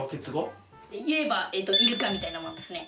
いえばイルカみたいなもんですね。